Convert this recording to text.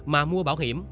mà mua bảo hiểm